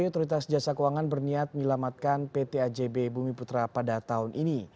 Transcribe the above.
otoritas jasa keuangan berniat menyelamatkan pt ajb bumi putra pada tahun ini